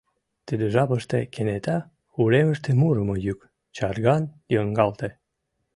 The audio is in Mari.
Тиде жапыште кенета уремыште мурымо йӱк чарган йоҥгалте.